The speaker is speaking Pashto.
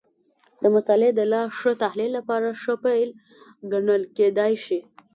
د مسألې د لا ښه تحلیل لپاره ښه پیل ګڼل کېدای شي.